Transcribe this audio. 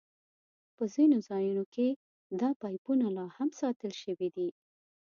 په ځینو ځایونو کې دا پایپونه لاهم ساتل شوي دي.